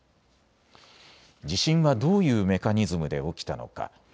地震はどういうメカニズムで起きたのか。